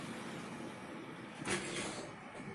Booker asistió al Instituto Union en Union, Carolina del Sur.